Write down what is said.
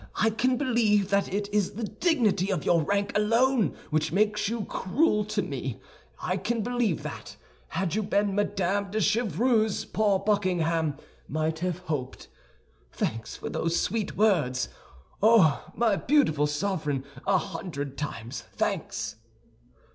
I can believe that it is the dignity of your rank alone which makes you cruel to me; I can believe that, had you been Madame de Chevreuse, poor Buckingham might have hoped. Thanks for those sweet words! Oh, my beautiful sovereign, a hundred times, thanks!"